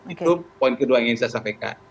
itu poin kedua yang ingin saya sampaikan